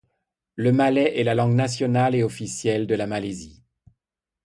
Le malais est la langue nationale et officielle de la Malaisie.